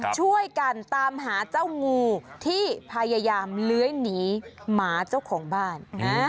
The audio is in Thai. ช่วยกันตามหาเจ้างูที่พยายามเลื้อยหนีหมาเจ้าของบ้าน